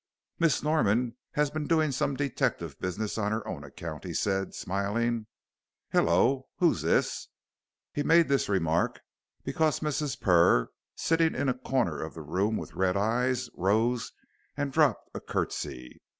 "Miss Norman has been doing some detective business on her own account," he said, smiling. "Hullo, who is this?" He made this remark, because Mrs. Purr, sitting in a corner of the room with red eyes, rose and dropped a curtsey.